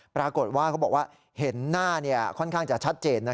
ปรากฏว่าเขาบอกว่าเห็นหน้าค่อนข้างจะชัดเจน